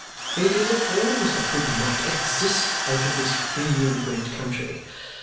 It is a cause that could not exist out of this free and great country.